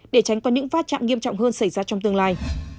để tránh có những phát trạm nghiêm trọng hơn xảy ra trong tương lai